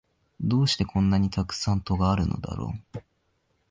どうしてこんなにたくさん戸があるのだろう